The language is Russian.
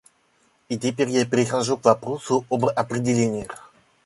И теперь я перехожу к вопросу об определениях.